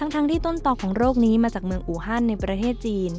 ทั้งที่ต้นต่อของโรคนี้มาจากเมืองอูฮันในประเทศจีน